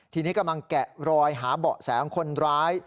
ทีนี้กำลังแกะรอยหาเบาะแสคนร้าย